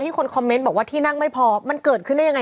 คนคอมเมนต์บอกว่าที่นั่งไม่พอมันเกิดขึ้นได้ยังไง